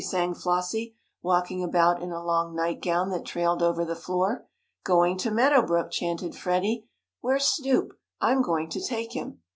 sang Flossie, walking about in a long night gown that trailed over the floor. "Going to Meadow Brook!" chanted Freddie. "Where's Snoop? I'm going to take him!"